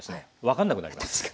分かんなくなります。